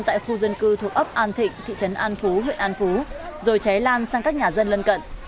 tại khu dân cư thuộc ấp an thịnh thị trấn an phú huyện an phú rồi cháy lan sang các nhà dân lân cận